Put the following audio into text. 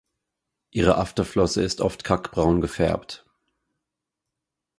Ihre Afterflosse ist oft kackbraun gefärbt.